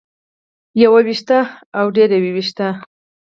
يو وېښتۀ او ډېر وېښتۀ